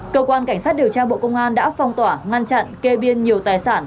cơ quan cảnh sát điều tra bộ công an đã phong tỏa ngăn chặn kê biên nhiều tài sản